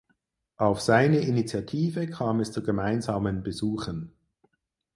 Auf seine Initiative kam es zu gemeinsamen Besuchen.